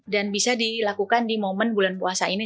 bisa dilakukan di momen bulan puasa ini